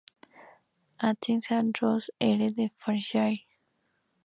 Atkins nació en Ross, en Herefordshire.